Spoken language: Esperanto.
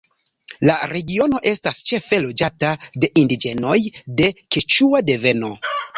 La regiono estas ĉefe loĝata de indiĝenoj de keĉua deveno.